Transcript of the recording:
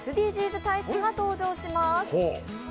ＳＤＧｓ大使が登場します。